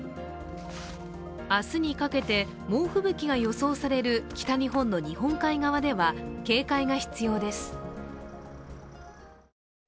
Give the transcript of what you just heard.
明日にかけて、猛吹雪が予想される北日本の日本海側では警戒が必要です。